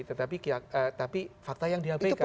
tetapi fakta yang dihapikan